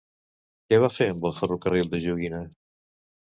Què va fer amb el ferrocarril de joguina?